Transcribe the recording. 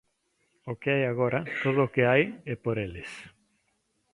O que hai agora, todo o que hai, é por eles.